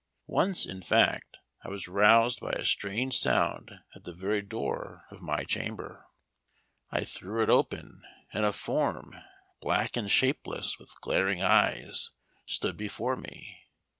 Once, in fact, I was roused by a strange sound at the very door of my chamber. I threw it open, and a form "black and shapeless with glaring eyes" stood before me.